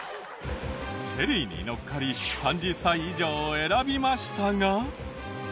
ＳＨＥＬＬＹにのっかり３０歳以上を選びましたが。